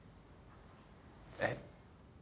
えっ？